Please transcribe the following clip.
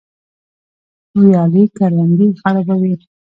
ویالې کروندې خړوبوي